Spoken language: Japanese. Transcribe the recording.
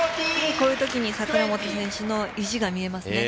こういうときに櫻本選手の意地が見えますね。